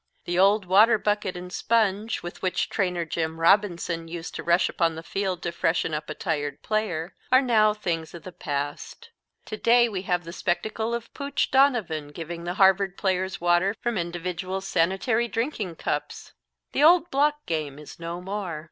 The old water bucket and sponge, with which Trainer Jim Robinson used to rush upon the field to freshen up a tired player, are now things of the past. To day we have the spectacle of Pooch Donovan giving the Harvard players water from individual sanitary drinking cups! The old block game is no more.